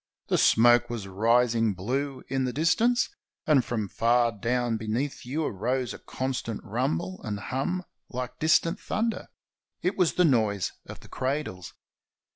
The smoke was rising blue in the distance, and from far down beneath you arose a constant rumble and hum like distant thunder. It was the noise of the "cradles."